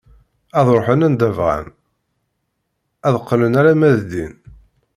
Ad ruḥen anda bɣan, ad d-qqlen alamma d din.